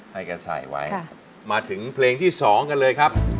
ให้แกใส่ไว้มาถึงเพลงที่๒กันเลยครับ